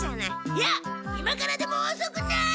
いやっ今からでもおそくない！